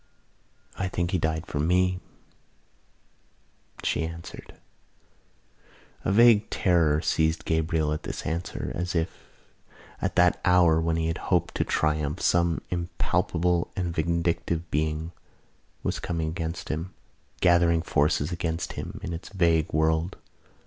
"I think he died for me," she answered. A vague terror seized Gabriel at this answer as if, at that hour when he had hoped to triumph, some impalpable and vindictive being was coming against him, gathering forces against him in its vague world.